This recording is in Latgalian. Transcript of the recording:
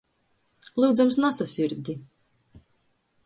Lyudzams, nasasyrdi!